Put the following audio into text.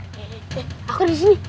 eh eh eh aku disini